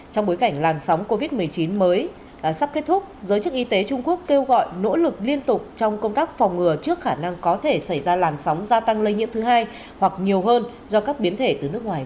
trong bối cảnh làn sóng covid một mươi chín mới sắp kết thúc giới chức y tế trung quốc kêu gọi nỗ lực liên tục trong công tác phòng ngừa trước khả năng có thể xảy ra làn sóng gia tăng lây nhiễm thứ hai hoặc nhiều hơn do các biến thể từ nước ngoài